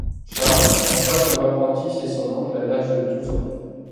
Charles entra comme apprenti chez son oncle à l'âge de douze ans.